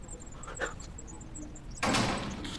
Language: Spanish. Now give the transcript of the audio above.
Trabaja como traductora de la Unión Europea en Bruselas.